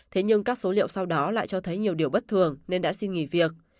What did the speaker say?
thế nhưng các số liệu sau đó lại cho thấy nhiều điều bất thường nên đã xin nghỉ việc